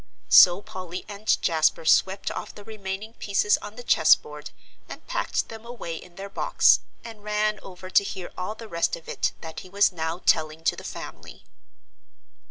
So Polly and Jasper swept off the remaining pieces on the chessboard, and packed them away in their box, and ran over to hear all the rest of it that he was now telling to the family.